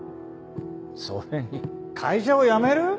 それに会社を辞める？